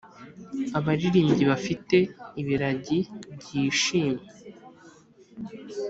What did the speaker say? abaririmbyi bafite ibiragi byishimye.